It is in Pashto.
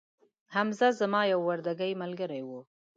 حمزه زما یو وردکې ملګري وو